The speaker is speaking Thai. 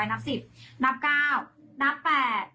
นับ๘